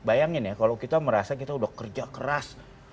bayangin ya kalau kita merasa kita udah kerja keras